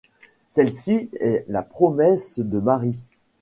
Celle-ci est la promesse de Marie.